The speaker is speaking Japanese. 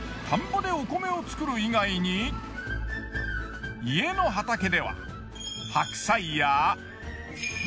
田んぼでお米を作る以外に家の畑では。